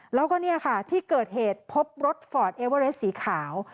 แล้วก็เนี่ยค่ะที่เกิดเหตุพบรถฟอร์ดเอเวอเรสสีขาว